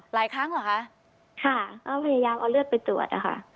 หลายครั้งเหรอคะค่ะก็พยายามเอาเลือดไปตรวจอะค่ะ